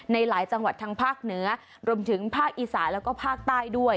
ในหลายจังหวัดทางภาคเหนือรวมถึงภาคอีสานแล้วก็ภาคใต้ด้วย